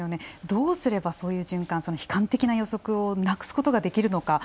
どうすればそういう循環悲観的な予測をなくすことができるのか。